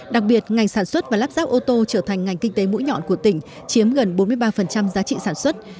đặc biệt ngành sản xuất và lắp ráp ô tô trở thành ngành kinh tế mũi nhọn của tỉnh chiếm gần bốn mươi ba giá trị sản xuất